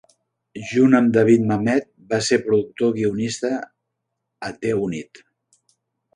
Junt amb David Mamet, va ser productor guionista a "The Unit".